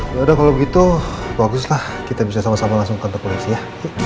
udah udah kalau gitu baguslah kita bisa sama sama langsung ke kantor polisi ya